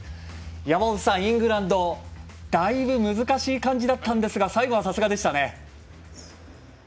山本さん、イングランドだいぶ難しい感じだったんですが最後は、さすがでしたね。